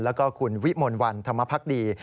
แล้วก็คุณวิมลวันธรรมพักดี